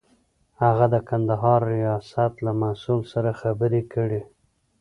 هغه د کندهار ریاست له مسئول سره خبرې کړې.